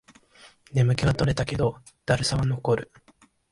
眠気は取れたけど、だるさは残る